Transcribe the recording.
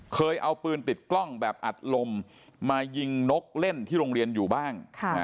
เคยเอาปืนติดกล้องแบบอัดลมมายิงนกเล่นที่โรงเรียนอยู่บ้าง